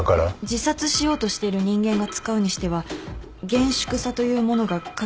自殺しようとしている人間が使うにしては厳粛さというものが欠けているように思えます。